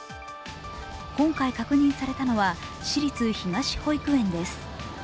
今回確認されたのは、市立東保育園です。